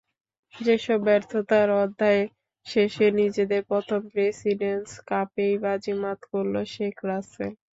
সেসব ব্যর্থতার অধ্যায় শেষে নিজেদের প্রথম প্রেসিডেন্টস কাপেই বাজিমাত করল শেখ রাসেল।